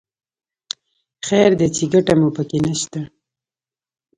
خیر دی چې ګټه مو په کې نه شته.